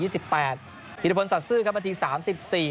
วิทยาพนศาสตร์ซื่อครับมาที๓๔